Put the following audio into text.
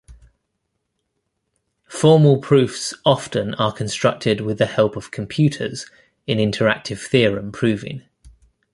Formal proofs often are constructed with the help of computers in interactive theorem proving.